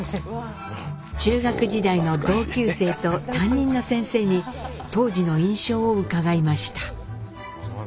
中学時代の同級生と担任の先生に当時の印象を伺いました。